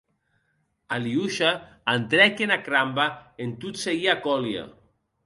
Aliosha entrèc ena cramba en tot seguir a Kolia.